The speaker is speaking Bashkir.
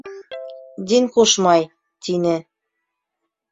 Дин ҡушмай, - тине.